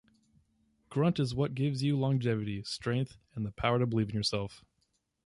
Grunt is what gives you longevity, strength, the power to believe in yourself.